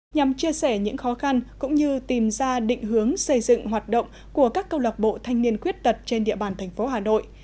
nhằm chia sẻ những khó khăn cũng như tìm ra định hướng xây dựng hoạt động của các câu lạc bộ thanh niên khuyết tật trên địa bàn thành phố hà nội